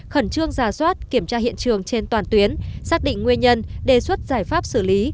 khẩn trương giả soát kiểm tra hiện trường trên toàn tuyến xác định nguyên nhân đề xuất giải pháp xử lý